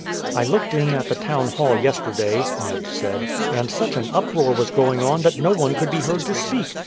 "I looked in at the town hall yesterday," Ned said, "and such an uproar was going on that no one could be heard to speak.